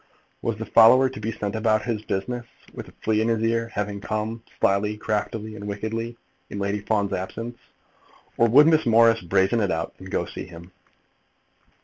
Was the follower to be sent about his business, with a flea in his ear, having come, slyly, craftily, and wickedly, in Lady Fawn's absence; or would Miss Morris brazen it out, and go and see him?